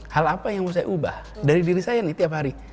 hal apa yang mau saya ubah dari diri saya nih tiap hari